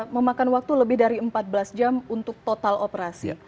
memakan waktu lebih dari empat belas jam untuk total operasi